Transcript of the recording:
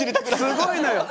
すごいのよ。